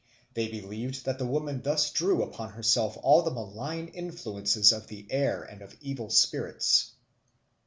They believed that the woman thus drew upon herself all the malign influences of the air and of evil spirits.